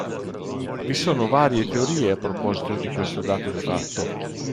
Vi sono varie teorie a proposito di questo dato di fatto.